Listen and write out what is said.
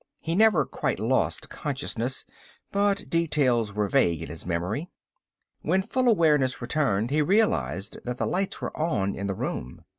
He never quite lost consciousness, but details were vague in his memory. When full awareness returned he realized that the lights were on in the room.